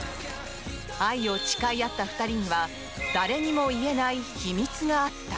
愛を誓い合った２人には誰にも言えない秘密があった。